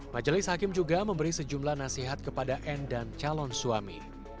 majelis hakim juga memberi sejumlah nasihat kepada n dan calon suami